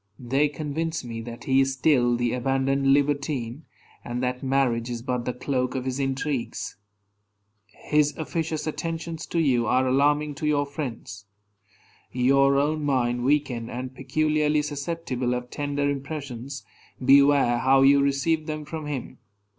They convince me that he is still the abandoned libertine, and that marriage is but the cloak of his intrigues. His officious attentions to you are alarming to your friends. Your own mind weakened, and peculiarly susceptible of tender impressions, beware how you receive them from him.